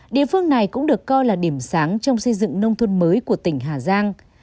địa phương này cũng được coi là điểm sáng trong xây dựng nông thôn mới của tỉnh hà giang